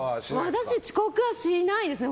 私、遅刻はしないですね。